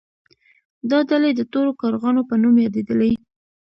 دا ډلې د تورو کارغانو په نوم یادیدلې.